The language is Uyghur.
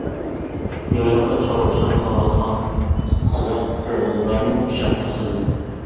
يايلاقتا چارۋىچىلىق قىلىۋاتقان قازاق، قىرغىزلارمۇ پىچاق ئاسىدۇ.